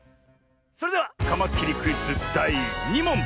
それではカマキリクイズだい２もん。